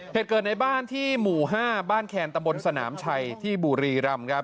เหตุเกิดในบ้านที่หมู่๕บ้านแคนตำบลสนามชัยที่บุรีรำครับ